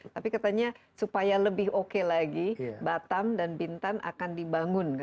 tapi katanya supaya lebih oke lagi batam dan bintan akan dibangun